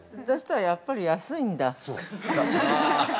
そしたら、やっぱり安いんだ。